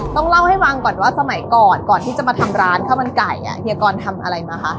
ต้องเล่าให้ฟังก่อนว่าสมัยก่อนก่อนที่จะมาทำร้านข้าวมันไก่เฮียกรทำอะไรมาคะ